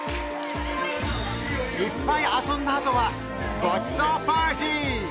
いっぱい遊んだあとはごちそうパーティー！